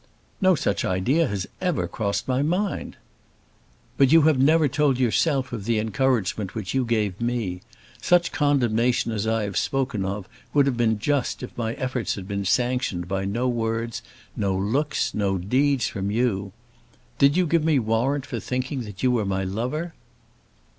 "No such idea has ever crossed my mind." "But you have never told yourself of the encouragement which you gave me. Such condemnation as I have spoken of would have been just if my efforts had been sanctioned by no words, no looks, no deeds from you. Did you give me warrant for thinking that you were my lover?"